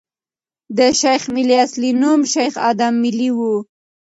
د شېخ ملي اصلي نوم شېخ ادم ملي ؤ.